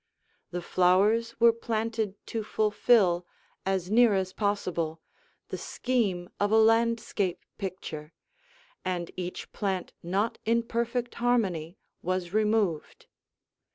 The flowers were planted to fulfill, as near as possible, the scheme of a landscape picture, and each plant not in perfect harmony was removed.